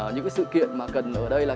những cái sự kiện mà cần ở đây là